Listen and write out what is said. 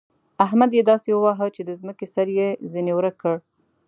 احمد يې داسې وواهه چې د ځمکې سر يې ځنې ورک کړ.